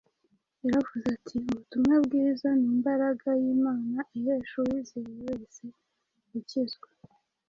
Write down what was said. Yaravuze ati, “Ubutumwa bwiza ni imbaraga y’Imana ihesha uwizeye wese gukizwa,